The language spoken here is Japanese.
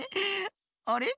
あれ？